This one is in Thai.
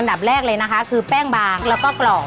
ดับแรกเลยนะคะคือแป้งบางแล้วก็กรอบ